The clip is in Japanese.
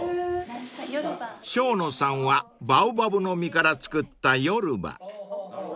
［生野さんはバオバブの実から作ったＹｏｒｕｂａ］